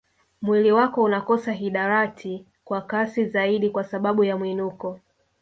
Mwili wako unakosa hidarati kwa kasi zaidi kwa sababu ya mwinuko